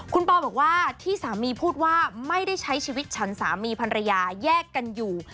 คุณปอบอกว่าที่สามีพูดว่าไม่ได้ใช้ชีวิตฉันสามีภรรยาแยกกันอยู่